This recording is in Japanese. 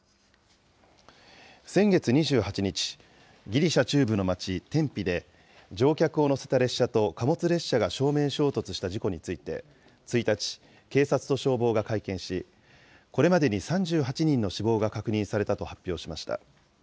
先月２８日、ギリシャ中部の町、テンピで、乗客を乗せた列車と貨物列車が正面衝突した事故について、１日、警察と消防が会見し、これまでに３８人の死亡が確認されたと発表しました。